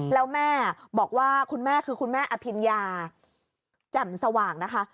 แล้วแม่บอกว่าคุณแม่คือคุณแม่อภิญญาแจ่มสว่างนะคะ